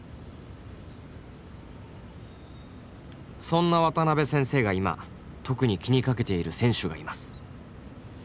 そんな渡辺先生が今特に気にかけている選手がいます。